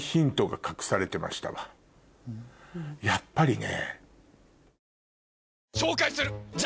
やっぱりね。